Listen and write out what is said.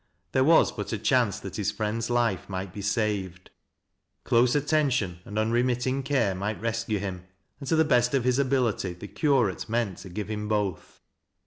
There was but a chance that his friend's life might be saved. Close attention and unremitting care might rescue him, and to the best of his ability the curate meant to give him both.